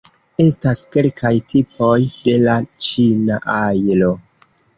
Estas kelkaj tipoj de la ĉina ajlo.